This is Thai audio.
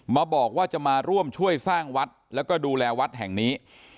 มาบอกว่าจะมาร่วมช่วยสร้างวัดแล้วก็ดูแลวัดแห่งนี้